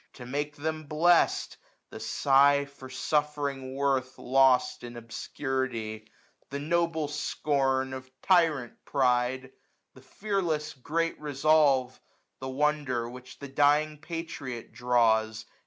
To make them blest ; the sigh for suflfering worth loao " Lost in obscurity j the noble scorn Of tyrant pride J the fearless great resolve; The wonder which the dying patriot draws.